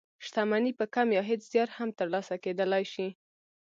شتمني په کم يا هېڅ زيار هم تر لاسه کېدلای شي.